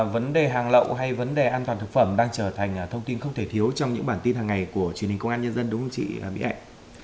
vấn đề hàng lậu hay vấn đề an toàn thực phẩm đang trở thành thông tin không thể thiếu trong những bản tin hàng ngày của truyền hình công an nhân dân đúng không chị mỹ hạnh